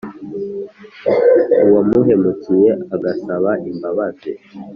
uwamuhemukiye agasaba imbabazi